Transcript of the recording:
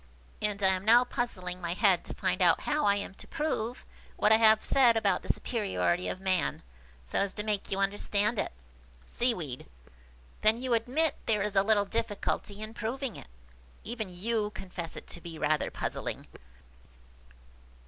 And I am now puzzling my head to find out how I am to prove what I have said about the superiority of man, so as to make you understand it." Seaweed. "Then you admit there is a little difficulty in proving it? Even you confess it to be rather puzzling."